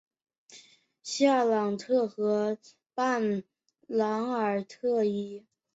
夏朗特河畔韦尔特伊。